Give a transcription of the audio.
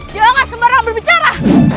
jangan sembarangan berbicara